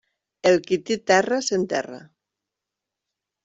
El qui té terra, s'enterra.